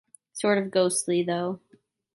Sort of ghostly, though.